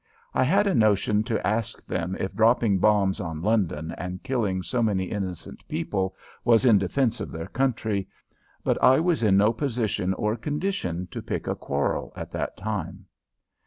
I had a notion to ask them if dropping bombs on London and killing so many innocent people was in defense of their country, but I was in no position or condition to pick a quarrel at that time.